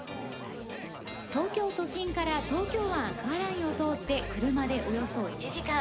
東京都心から東京湾アクアラインを通って車でおよそ１時間。